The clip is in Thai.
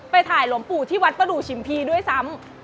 ไปถ่ายหลวงปู่ที่วัดประดูกชิมพีด้วยซ้ำ